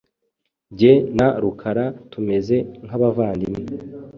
Jye na Rukara tumeze nkabavandimwe.